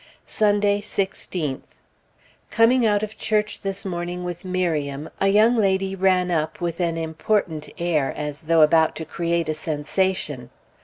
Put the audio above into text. Sunday, 16th. Coming out of church this morning with Miriam, a young lady ran up with an important air, as though about to create a sensation.